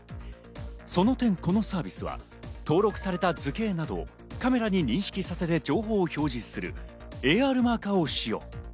その点このサービスは登録された図形など、カメラに認識させて情報を表示するＡＲマーカーを使用。